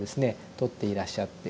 撮っていらっしゃって。